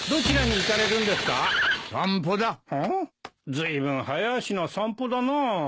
ずいぶん早足な散歩だなあ。